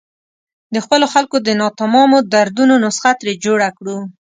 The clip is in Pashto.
د خپلو خلکو د ناتمامو دردونو نسخه ترې جوړه کړو.